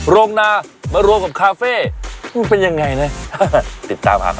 โรงนามารวมกับคาเฟ่ก็ไม่เป็นยังไงนะติดตามหาคำ